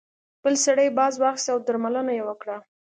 بل سړي باز واخیست او درملنه یې وکړه.